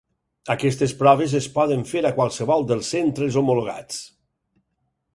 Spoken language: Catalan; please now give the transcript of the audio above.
Aquestes proves es poden fer a qualsevol dels centres homologats.